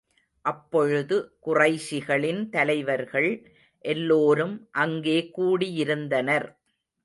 அப்பொழுது குறைஷிகளின் தலைவர்கள் எல்லோரும் அங்கே கூடியிருந்தனர்.